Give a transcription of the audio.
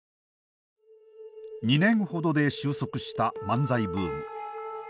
２年ほどで終息した漫才ブーム。